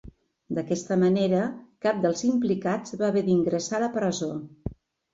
D'aquesta manera, cap dels implicats va haver d'ingressar a la presó.